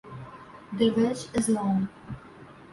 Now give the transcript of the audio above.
The ridge is long.